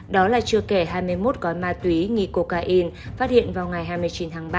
đó là chưa kể hai mươi một gói ma túy nghi cocaine phát hiện vào ngày hai mươi chín tháng ba